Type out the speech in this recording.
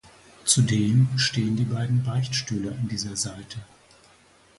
Zudem stehen die beiden Beichtstühle an dieser Seite.